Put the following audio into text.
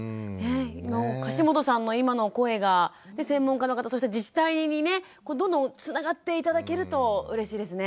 樫本さんの今の声が専門家の方そして自治体にねどんどんつながって頂けるとうれしいですね。